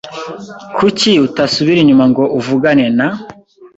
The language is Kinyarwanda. Kuki utasubira inyuma ngo uvugane na ?